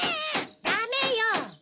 ダメよ。